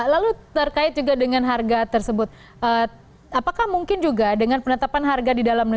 lalu terkait juga dengan harga tersebut apakah mungkin juga dengan penetapan harga di dalam